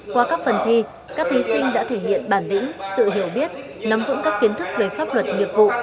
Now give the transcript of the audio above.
qua các phần thi các thí sinh đã thể hiện bản lĩnh sự hiểu biết nắm vững các kiến thức về pháp luật nghiệp vụ